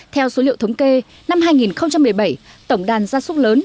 theo số liệu thống kê năm hai nghìn một mươi bảy tổng đàn gia súc lớn